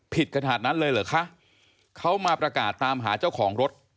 ขนาดนั้นเลยเหรอคะเขามาประกาศตามหาเจ้าของรถ